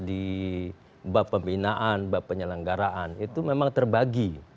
di bab pembinaan bab penyelenggaraan itu memang terbagi